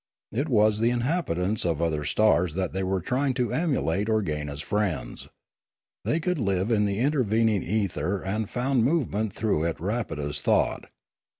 It was the inhabitants of other stars that they were trying to emulate or gain as friends. They could live in the intervening ether and found movement through it rapid as thought.